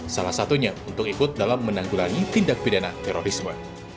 salah satunya untuk ikut dalam menanggulangi tindak pidana terorisme